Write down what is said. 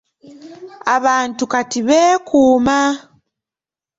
Abantu kati beekuuma